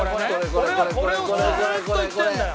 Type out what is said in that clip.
俺はこれをずーっと言ってるんだよ。